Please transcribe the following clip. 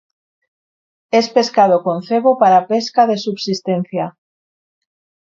Es pescado con cebo para para pesca de subsistencia.